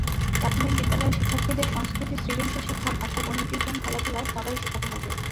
প্রাথমিক বিদ্যালয়ের শিক্ষার্থীদের সংস্কৃতি, সৃজনশীল শিক্ষা, ভাষা, গণিত, বিজ্ঞান, খেলাধুলা—সবাই শেখাতে হবে।